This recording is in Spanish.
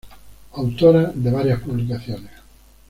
Autora de varias publicaciones.